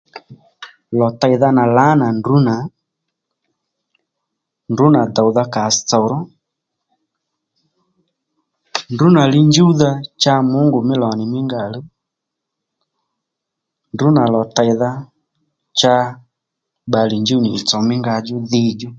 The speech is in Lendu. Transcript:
Lò tèydha nà lǎnà ndrǔ nà ndrǔ nà dòwdha kasstsòró ndrǔ nà linjúwdha cha Mungu mí lò nì mí nga ò luw ndrǔ nà lò teydha cha bbalè njúw nì ì tsò mí nga djú dhi djú